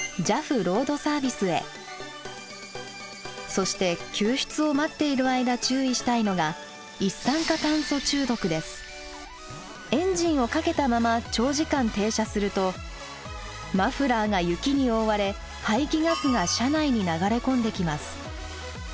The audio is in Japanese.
そして救出を待っている間注意したいのがエンジンをかけたまま長時間停車するとマフラーが雪に覆われ排気ガスが車内に流れ込んできます。